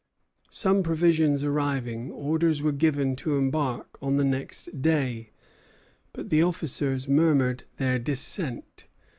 Some provisions arriving, orders were given to embark on the next day; but the officers murmured their dissent.